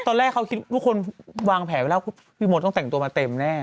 ตอนแรกเขาคิดทุกคนวางแผลไว้แล้วพี่มดต้องแต่งตัวมาเต็มแน่